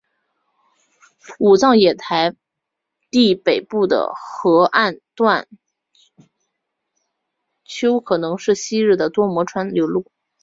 武藏野台地北部的河岸段丘可能是昔日多摩川的流路。